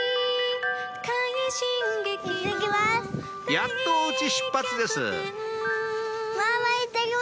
やっとお家出発です